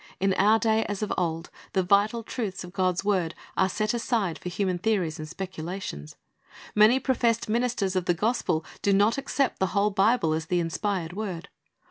In our day, as of old, the vital truths of God's word are set aside for human theories and speculations. Many professed ministers of the gospel do not accept the whole Bible as the inspired word.